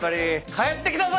帰ってきたぞ！